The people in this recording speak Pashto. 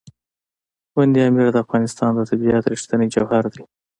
بند امیر د افغانستان د طبیعت رښتینی جوهر دی.